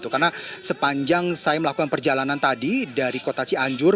karena sepanjang saya melakukan perjalanan tadi dari kota cianjur